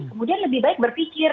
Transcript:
kemudian lebih baik berpikir